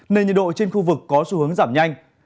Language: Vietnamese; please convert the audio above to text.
nên nhiệt độ trên khu vực có xu hướng giảm nhanh